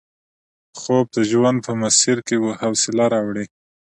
خوب د ژوند په مسیر کې حوصله راوړي